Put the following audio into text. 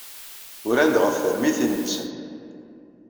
Uran-d ɣef termitin-nsen.